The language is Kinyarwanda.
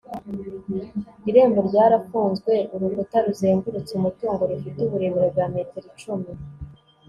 irembo ryarafunzwe, urukuta ruzengurutse umutungo rufite uburebure bwa metero icumi